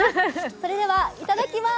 それでは、いただきまーす！